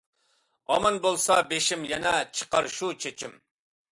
ئامان بولسا بېشىم، يەنە چىقار شۇ چېچىم.